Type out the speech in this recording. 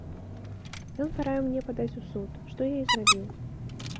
Ён параіў мне падаць у суд, што я і зрабіў.